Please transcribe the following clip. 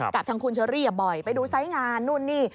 กับทางคุณเชอรี่บ่อยไปดูไซส์งานนู่นนี่